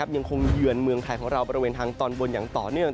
เยือนเมืองไทยของเราบริเวณทางตอนบนอย่างต่อเนื่อง